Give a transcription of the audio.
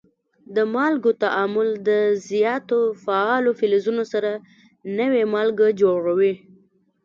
د مالګو تعامل د زیاتو فعالو فلزونو سره نوي مالګې جوړوي.